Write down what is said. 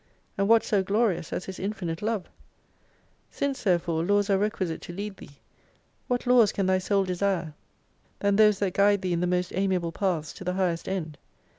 And what so glorious as His infinite Love ? Since therefore, laws are requisite to lead thee, what laws can thy soul desire, than those that guide thee in the most amiable paths to the highest end